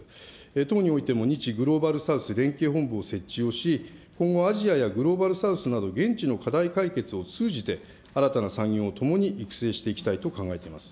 党においても日グローバル・サウス連携本部を設置をし、今後、アジアやグローバル・サウスなど、現地の課題解決を通じて新たな産業をともに育成していきたいと考えています。